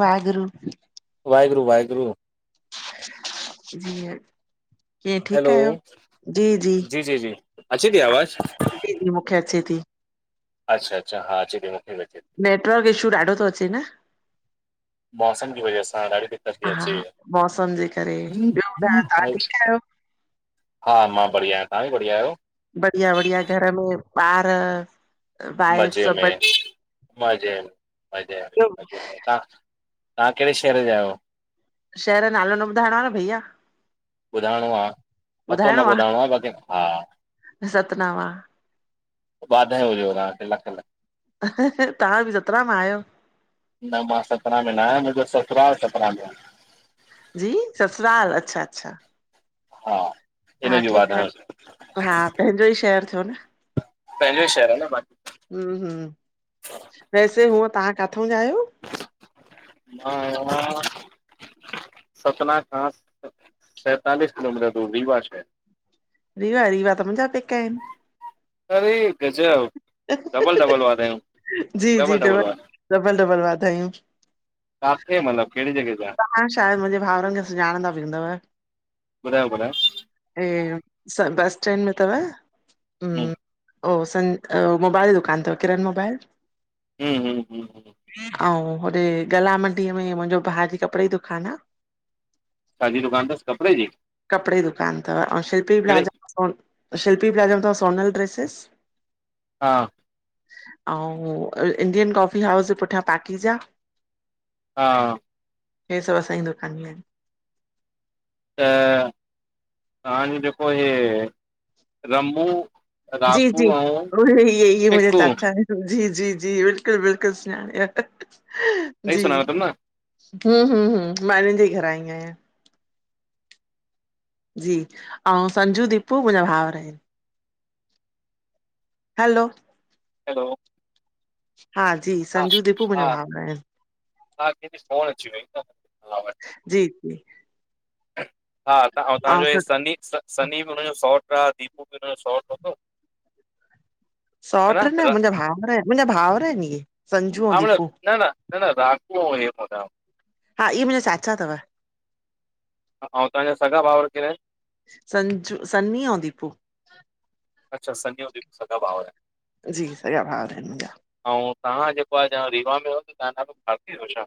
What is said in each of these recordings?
वाहे गुरु। वाहेगुरु, वाहेगुरु। जींअ। कीअं ठीकु हैलो आहियो, जी जी। जी अचे थी [unintelligible] आवाज़ मूंखे अचे थी। अच्छा, अच्छा हा अचे मूंखे भी अचे थी। नेटवर्क इशू ॾाढो थो अचे न। मौसम जी वजह सां ॾाढी दिक़त थी हा अचे मौसम जे करे, ॿियो ॿुधायो तवा ठीकु आहियो? [inaudible] हा मां बढ़िया आहिय, तव्हां बि बढ़िया आयो? बढ़िया, बढ़िया घर में ॿार वाइफ मज़े सभु में, बढ़िया? मज़े में, मज़े में, मज़े में, तां? तां कहिॾे शहर जा आहियो? शहर जो नालो न ॿुधाइणो आ न भईया? ॿुधाइणो आ, पतो न ॿुधाइणो आहे ॿुधाणो आ, बाक़ी हा। सतनाम आहे वधायू हुजेव तां खे लख लख। तां बि जेतरा मां आहियो। न मां सतना में न आहिय, मुंहिंजो ससुराल सतना में आ। जी, ससुराल अच्छा, अच्छा हा इन हा जी ठीकु आ। वाधायूं हा पंहिंजो ई शहर थियो न। पंहिजो शहर आ न [unintelligible] हु, हु वैसे हूअ तां काथो जा आहियो? हा सतना खां सतालिस किलोमीटर दूर रीवा श रीवा रीवा त मुंहिंझा पेका आहिन अरे गजब डबल डबल वाधायूं जी जी डबल डबल डबल वाधायूं किथे मतलब कहिड़ी जॻह ते तव्हां शायदि मुंहिंजे भाउरनि खे सुञाणंदा भी हुंदव ॿुधायो ॿुधायो, बस स्टैड में अथव हूं, हम ओ सं मोबाइल जी दुकान अथव किरन मोबाइल हम हम हम ऐं होॾे गला मंडीअ में मुंहिंजो भाउ जी कपिड़े जी दुकानु आहे छाजी दुकान तस कपिड़े जी? कपड़े जी दुकान अथव ऐं शिल्पी कहिड़े प्लाजा शिल्पी प्लाज़ा अथव सोनल ड्रेसेस हा ऐं इंडियन कॉफी हाउस जे पुठियां पाकीजा हा हे सब असांजी दुकानु ई आहिन। त तव्हांजो जेको इहे रमबू जी जी उहे मुंजा टिकू चाचा आहे। जी जी जी, बिल्कुलु बिल्कुलु सुञाणयां, सही जी सुञाणो तम न? हूं हूं हूं मां हिन जे ई घर आई आहियां। जी अंउ संजू, दीपू मुंहिंजा भाउर आहिन हलो हलो हा जी संजू, दीपू हा मुंहिंजा भाउर आहिन। हा कंहिंजी फोन अची वई। जी जी [inaudible] हा त ऐं तव्हांजो इ सनी, सनी ॿ हुनजो सौट्र आ, दीपू बि हुनज जो सौट्र हूंदो। ह सौट्र न र मुंहिंजा भाउर आहिन, मुंहिंजा भाउर आहिन इहे संजू ऐं हा मतलब दीपू। न न न राखो हो हे म ताम। [unintelligible] हा इहे मुंहिंजा चाचा अथव। ह ऐं तव्हांजा सॻा भउर केर आहिन संज, सनी अंउ दीपु। अच्छा सनी ऐं दीपू सॻा भाउर जी सॻा भावर आहिन मुंहिंजा। अंउ तव्हां जेको आहे रीवा में हुयव तव्हांजो नालो भारती हुयो छा?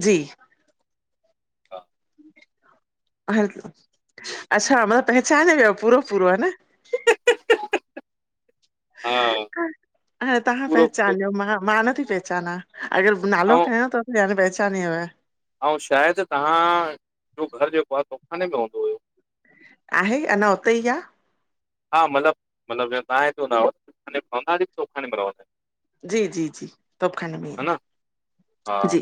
जी अच्छा मतिलब पहचान वियो पूरो पूरो, ह न। हा तव्हां पूरो पूरो पहचानियो मां, मां नथी पहचाना [unintelligible] नालो ऐं खंयो त पहचान जो आहे। ऐं शायदि तव्हां जो घर जेको आहे तोखाने में हूंदो हुयो। आहे, अञा उते ई आ। हा मतिलब मतिलब [inaudible] जी जी जी तोपखाने में, न हा जी।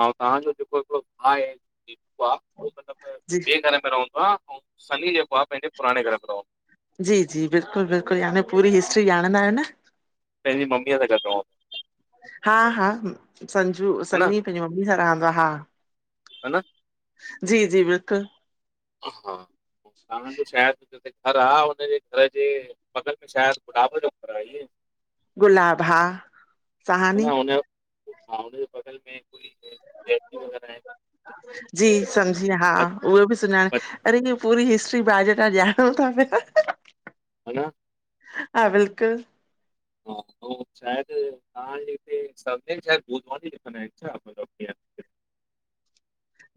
ऐं तव्हांजो जेको हिकिड़ो भाउ आहे, दीपू आ जी ॿिए घर में रहंदो आ ऐं सन्ही जेकोआ, पंहिंजे पुराणे घर में रहंदोआ। जी बिल्कुलु बिल्कुलु, हाणे पूरी हिस्ट्री ॼाणंदा आहियो न। पंहिंजी मम्मीअ सां गॾु रहंदो आहे हा। हा, संजू, हा न सनी। पंहिंजी मम्मी सां रहंदो आ, हा। ह ना। जी जी बिल्कुलु। हा। तव्हांज जो शायदिे घर आ, हुनजे घर जे बॻल में शायदि गुलाब जो घर आ इअ। गुलाब हा। सहानी हुना हुनजे बगल में। [unintelligible] वग़ैरह आहे जी बस समझी यम। हा। उहो बि सुञाणे, बस अरे इ पूरी हिस्ट्री भा ॼ तां जणो था पिया। ह न। हा बिलकुल। हायदि तव्हांजे हितेेवानी लिखंदा आहिनि छा मतलब। [unintelligible]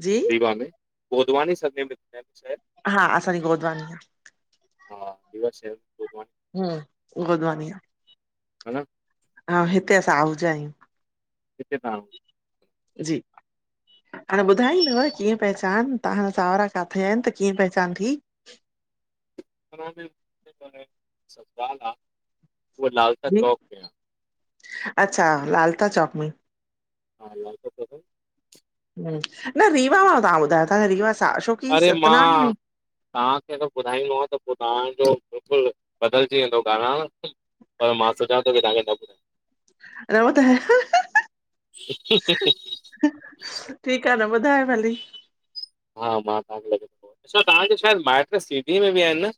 जी रीवा में गोधवानी सरनेम लिखंदा आहिन शायद। हा। असांजी गोधवानी आ। हा रीवा सां आहे गोधवानी। हम गोधवानी आ। ह न। हा हिते असां आहुजा आहियूं। हीते ता। जी हाणे हा ॿुधाईंदव केर। पहचान तव्हाजा सावरा काथे आहिन त कीअ पहचान थी। उहा लालसा जी चौक ते आहे। अच्छा लाल ता चौक मै। हा लालता चोक। न रीवा मा तव्हा ॿुधायो ता रीवा छा अशोक। अरे मा। तव्हाखे त ॿुधाईंदो माव त पो तव्हाजो बिल्कुल बदलजी वेदो ॻाल्हाण। पर मां सोचा थो की तव्हाखे न। रहो त ह ह। ह ठीक आ त ॿुधाए भली। हा मां तव्हाखे लॻे थो डिसो आ तव्हा शायद माइट सिधी मे बि आहिन न।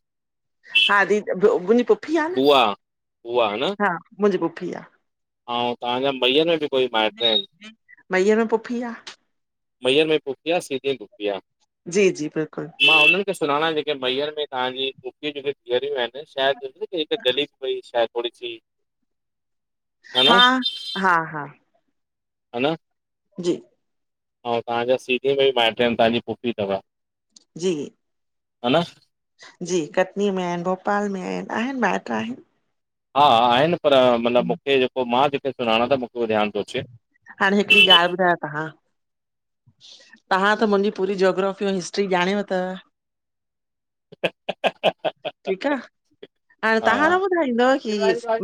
हा। दी मुंहिजी पु्फी आ न बुआ बुआ हा मुहिजी पुफी आ। अव तव्हाजा महीयर में बि कोई माइट आहिन। महीयर मे पुफी आ। महीयर में पुफी आ सीधी मेु पुफी आ। जी जी बिल्कुल। मा हुनन्हन खे सुञाणा जेके महीयर में तव्हाजी पुफीयु जेके जीअरियू आहिन। शायद दिस न हीक छोडो सी। [unintelligible] ह न हा हा हा। ह न। जी। ऐं तव्हां सीधी मे बि माइट आहिन तव्हांजी पुफी तव। जी। हा न। जी कटनी में आहिनि, भोपाल में आहिनि, आहिनि माइट्र आहिनि। हा आहिनि पर मन मूखे जेको, मा जेके सुञाणा त मूखे उहो ध्यानु थो अचे। हाणे हिकड़ी ॻाल्ह ॿुधायो तव्हा तव्हा त मुंहिंजी पूरी जाग्राफी ऐ हिस्ट्री ॼाणे वथव हहहह ठीकु आ, हाणे तव्हा न ॿुधाईंदव की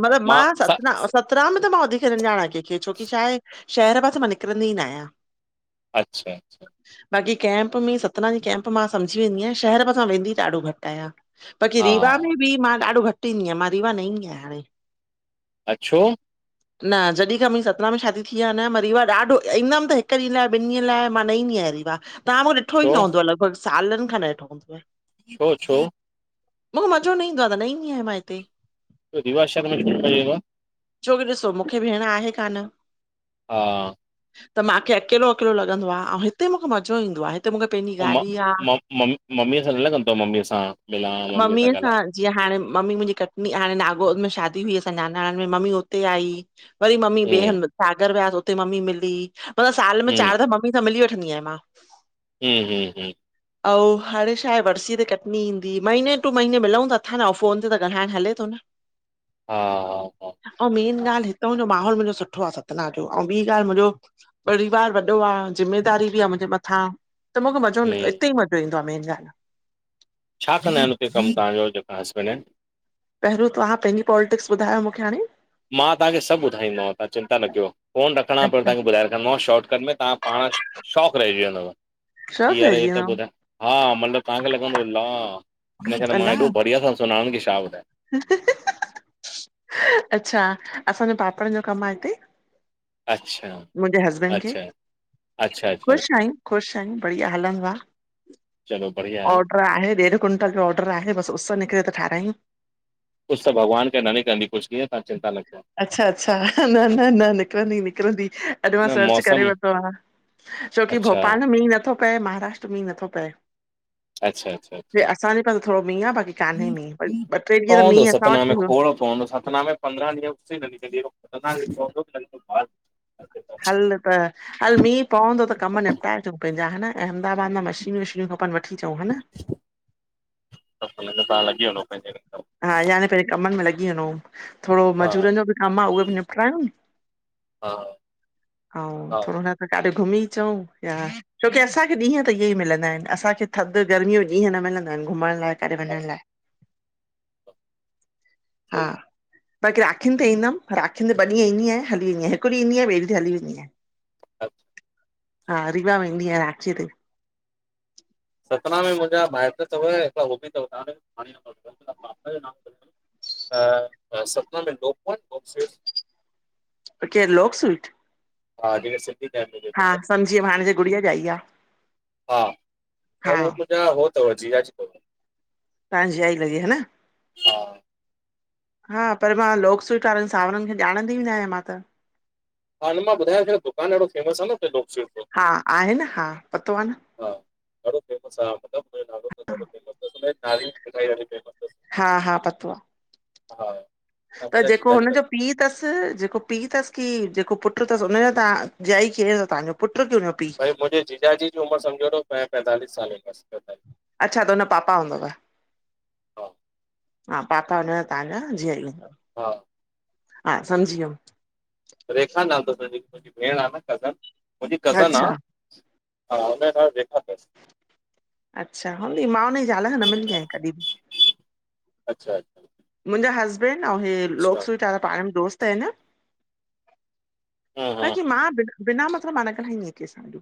मतिलबु मा मां स सतना ओ सत त राम त मा वधीकु सुञाणा कहिंखे, छोकी छाहे शहर पासे मा निकिरंदी न आहिया। अच्छा-अच्छा। बाक़ी कैम्प में सतना जी कैम्प मा समझी वेंदी आहियां, शहर पासा वेंदी ॾाढो घट्ट आहिया। बाक़ी हा रीवा मे बि मा ॾाढो घटि ईंदी आहियां, मा रीवा न ईदी आहियां हाणे। अ छो? [inaudible] न जॾहि खा मुंहिंजी सतना में शादी थी आहे न मा रीवा ॾाढो ईंदम त हिकु ॾीहं लाइ ॿिन ॾीहंन लाइ मा न ईंदी आहिया रिवा। तव्हा मूंखे ॾिठो छो ई न हूंदव लॻभगि सालनि खां न डिठो हूंदव। छो-छो? मूंखे मज़ो न ईंदो आहे त न ईंदी आहिया मा हिते। त रिवा शहर में [unintelligible] छोकी ॾिसो मूखे भेणु आहे कान। हा। त माखे अकेलो-अकेलो लॻंदो आहे आऊं हिते मूंखे मज़ो ईंदो आहे। हिते मूंखे पंहिंजी त गाॾी आ म-म-मम-मम्मीअ सा गालाईंदा आहियो मम्मीअ सा? मम्मी सा हल जीअं हाणे मम्मी मुंहिजी कटनी हाणे नागोद में शादी हुई असांजे नानाणन मे मम्मी हुते आई। वरी मम्मी बे हम्म हंध सागर वयास उते मम्मी मिली मतिलबु साल मे हम्म चार दफा मम्मी सां मिली वठंदी आहियां मां। हम्म-हम्म-हम्म। आऊं हाणे छा आहे वर्सी ते क मम्मी ईंदी, महीने टू महीने मिलूं तं अथा न आऊं फोन ते त ॻालाइण हले थो न। हा। हा आऊं मेन हा ॻाल्हि हिताऊं जो माहौल मुंहिंजो सुठो आहे सतना जो, आऊं बि ॻाल्हि मुंहिंजो परिवारु वॾो आहे, ज़िम्मेदारी बि आहे मुंहिंजे मथां त मूंखे मज़ो न, हम्म इते ई मज़ो ईंदो आहे मेन ॻाल हा। छा कंदा आहिनि हुते कमु तव्हांजो जेका हस्बैंड आहिनि? पहिरियों तव्हां पंहिंजी पॉलिटिक्स ॿुधायो मूंखे हाणे? मां तव्हांखे सभु ॿुधाईंदोमाव तव्हां चिंता न कयो, फ़ोनु न खणा पर अच्छा तवांखे ॿुधाए रखंदोमाव शॉर्टकट में तव्हां पाण शाॅकु रहिजी वेंदव। शौक़ु हियर ही रहिजी तो वियो ॿुधाया, हा मनु तव्हांखे लॻंदो अल्ला हिनखें त मां हेॾो बढ़िया सां सुञाणा कि छा बुधाएँ? हहह। अच्छा, असांजो पापड़नि जो कमु आहे हिते। अच्छा। मुंहिंजे हसबैंड खे अच्छा। ख़ुशि अच्छा-अच्छाअच्छा। आहियूं ख़ुशि आहियूं बढ़िया हलनि चलो बढ़िया आहे न। त आहे ॾेढ क्विंटल जो ऑडर आहे, बसि उसि निकिरे त ठाहरायूं। कुझु त भॻवान के न निकरंदी कुझु कीअं तां चिंता न कयो। अच्छा अच्छा न न न निकिरंदी निकिरंदी अॼु मां न सर्च करे मौसम वरितो आ, छोकी अच्छा भोपाल मींहुं नथो पए, महाराष्ट्र मींहुं नथो पए। अच्छा अच्छा हे अच्छा असांजे पास थोडो मींहुं आ, बाक़ी कान्हे मींहुं, ॿ टे ॾींहं त मींहुं असां वटि बि न पो सतना में पंद्रहं ॾींहं हुते [unintelligible] नतंदो हल त हल मींहुं पवंदो त कमु निपटाए अचऊं पंहिंजा है ना, अहमदाबाद मां मशीनियूं वशीनियूं खपनि वठी अचऊ, है न। त हुनखे तां लॻी वञो पंहिंजे रसतऊ। हा याने पंहिरीं कमनि में लॻी वञो। थोडो हा मजूरनि जो बि कमु आ उहो बि निपटरायूं। हा अऊं हा थोडो न त काॾे घुमी अचऊ या छोकी असांखे ॾींहुं त इहे ई मिलंदा आहिनि, असांखे थधि गर्मियूं ॾींहं न मिलंदा आहिनि घुमण लाइ काॾे वञण हा लाए। हा सही बाक़ी राखिनि ते ईंदमि राखिनि ते ॿ ॾींहं ईंदी आहियां, हिकु ॾीहु ईंदी आह ॿे ॾींहुं हली वेंदी आहियां। अच हा रीवा वेंदी आहियां राखीअ ते। सतना में मुंहिंजा माइट तव, हिकड़ा हो बि तव तां हाणे पापा जो नाम अ सतना में दो पॉइंट आफ सेटस केरुं लोक स्वीट? हा जेके सिंधी फैमिली जो हा अथव सम्झी वयमि हाणे जे गुड़िया जाई आ। हा, त उहो मुंहिंजा हो तव जीजी तव। तां जीजाजी लॻे ह न? हा हा पर मां लोकस्वीट वारनि सावरनि खे ॼाणंदी बि न आहियां मां त। हा न मां ॿुधांया पयो त न दुकान एॾो फेमस आह न लोकस्वीट जो। हा आहे न हा पतो आ न। हा ॾाढो फेमस आ मतिलबु नालो त ॾाढो फेमस तसि हुनयी नारियल जी मिठाई ॾाढी फेमस तसि। हा हा पतो आ। हा त मुंहिंजा ॼेको जीजा जी हुन लॻ जो पी तसि ॼेको पी तसि कि ॼेको पुट तसि हुनयां तां जीजाजी केरुं तव तवहांजो पुट की हुनजो पीउ? भई मुंहिंजे जीजाजी जी उमिर समझो तव, प पैतालीस साले आहे बसि पैतालीस। अच्छा त हुन पापा हुंदव? हा हा पापा हुन तव्हांजा जीआजी हुदव? हा हा संमझी वयमि। रेखा नालो तसि मुंहिंजी भेण आ न कज़नि, मुंहिंजी कज़नि आ। अच्छा हा हुन नालो रेखा तसि। अच्छा हूंदी, मां हुनजी ज़ाल सा न मिली आहियां कॾी बि। अच्छा। मुहिंजा हसबैंड अऊं हे अच्छा लोकस्वीट वारा पाण में दोस्त आहनि। हा हा हा बाकी मां बिना बिना मतिलबु मां न गालाईदी आहियां कंहिंसां एॾो,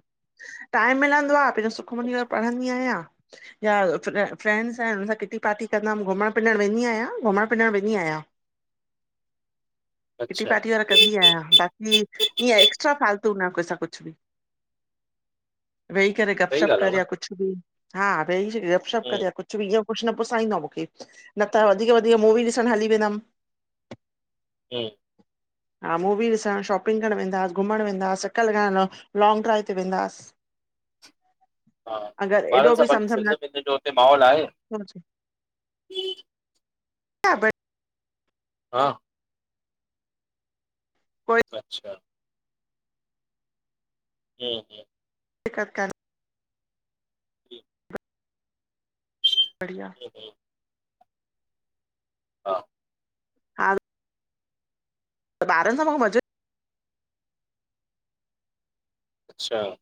टाइम मिलंदो आ पहिंजो सुखमनी अच्छा वैगहरा पढ़ंदी आहियां। या फ्रै फ्रैड्स सां हुनसा किटी पार्टी कंदमि घुमण पिनणु वेंदी आहियां। घुमण पिनणु वेंदी आहियां, किटी अच्छा पार्टी वारनि कंदी आहियां बाक़ी ईअं एक्स्ट्रा फालतू न कंहिंसां कुछ बि। वेही करे सही गपशप ॻाल्हि कर आहे न या कुछु बि, हा वेही गपशप हम्म करि या कुछु भी। कुछ न पुसाईंदो आ मूंखे न त वधीक- वधीक मूवी ॾिसण हली वेंदमि। हूं [inaudible] हा मूवी ॾिसणु, शॉपिंग करणु वेंदास, घुमणु वेंदास चक्कर लॻाइणु, लौंग ड्राइव ते वेंदास। [inaudible] हा ॿारनि एॾो सां बि सम्झ पंहिंजी में सिंधी जो हुते माहोल आहे? न शाबस [inaudible] हा कोई अच्छा हूं हूं इकत्तर [inaudible] हूं बढ़िया ह हा त ॿारनि सां माखे मज़ो अच्छा